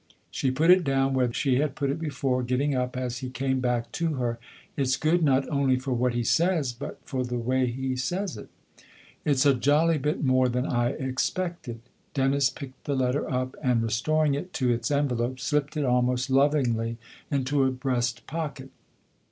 She put it down where she had put it before, getting up as he came back to her. tl It's good not only for what he says, but for the way he says it." " It's a jolly bit more than I expected." Dennis picked the letter up and, restoring it to its en velope, slipped it almost lovingly into a breast pocket.